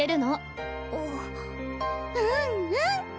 うんうん！